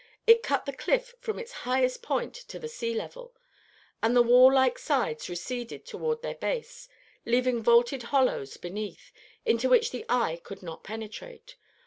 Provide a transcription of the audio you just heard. It cut the cliff from its highest point to the sea level; and the wall like sides receded toward their base, leaving vaulted hollows beneath, into which the eye could not penetrate.